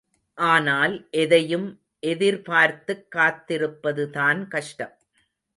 ஆனால் எதையும் எதிர்பார்த்துக் காத்திருப்பதுதான் கஷ்டம்.